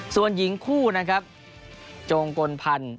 ส่วนหญิงคู่นะครับ